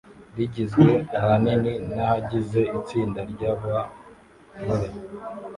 rigizwe ahanini nabagize itsinda ryabagore